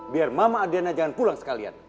biar mama adriana jangan pulang sekalian